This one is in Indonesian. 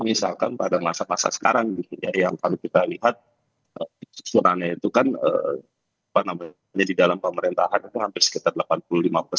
misalkan pada masa masa sekarang yang kalau kita lihat itu kan di dalam pemerintahan hampir sekitar